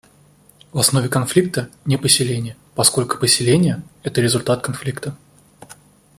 В основе конфликта — не поселения, поскольку поселения — это результат конфликта.